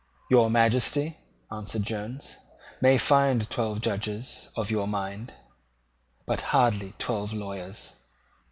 "Your Majesty," answered Jones, "may find twelve Judges of your mind, but hardly twelve lawyers."